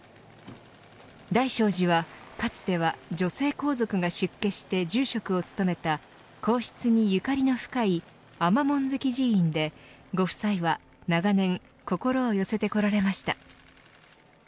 大聖寺はかつては女性皇族が出家して住職を務めた皇室にゆかりの深い尼門跡寺院でご夫妻は長年心を寄せてこられました。